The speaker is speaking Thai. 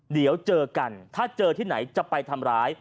เดี๋ยวเจอกันถ้าเจอที่ไหนจะไปทำร้าย